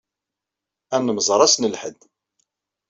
Ad nemmẓer ass n lḥedd.